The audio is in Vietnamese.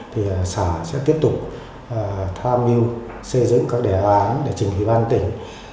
thì xã sẽ tiếp tục tham nhu xây dựng các đề án để chỉnh hủy ban tỉnh